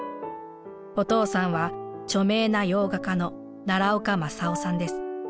お父さんは著名な洋画家の奈良岡正夫さんです。